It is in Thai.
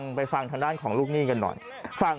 กลับมาพร้อมขอบความ